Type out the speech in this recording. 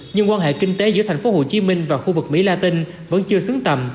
nhưng quan hệ kinh tế giữa tp hcm và khu vực mỹ la tinh vẫn chưa xứng tầm